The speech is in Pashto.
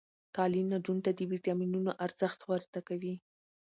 تعلیم نجونو ته د ویټامینونو ارزښت ور زده کوي.